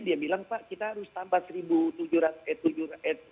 dia bilang pak kita harus tambah